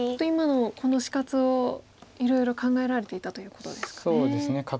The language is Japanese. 今のこの死活をいろいろ考えられていたということですかね。